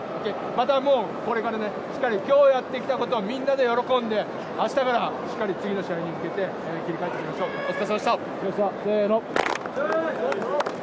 またこれからしっかり今日やってきたことをみんなで喜んで明日から次の試合に向けて切り替えていきましょうお疲れさまでした。